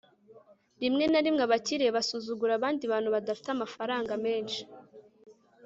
rimwe na rimwe abakire basuzugura abandi bantu badafite amafaranga menshi